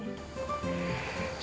supaya gak memancing